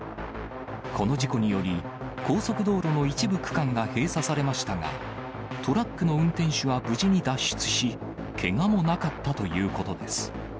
この事故により、高速道路の一部区間が閉鎖されましたが、トラックの運転手は無事に脱出し、けがもなかったということです。